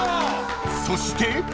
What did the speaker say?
［そして］